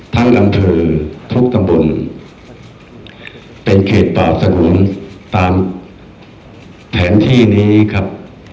ทั้งอำเภอทุกตำบลเป็นเขตตอบสนุนตามแผนที่นี้ครับ